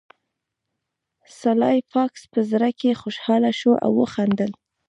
سلای فاکس په زړه کې خوشحاله شو او وخندل